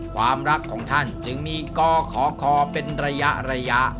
ความรักของท่านจึงมีกขอคอเป็นระยะ